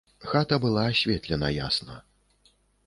Хата была асветлена ясна.